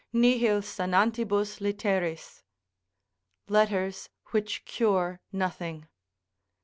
"Nihil sanantibus litteris." ["Letters which cure nothing."